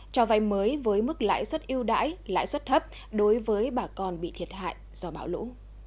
cho vay mới với mức lãi suất yêu đãi lãi suất thấp đối với bà con bị thiệt hại do bão lũ